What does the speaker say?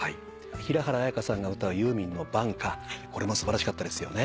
平原綾香さんが歌うユーミンの『晩夏』これも素晴らしかったですよね。